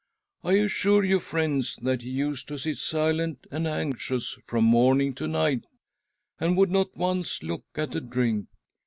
I assure you, friends, that he used to sit silent and anxious from morning to night, and would not once look at a drink.